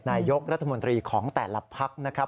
นายกรัฐมนตรีของแต่ละพักนะครับ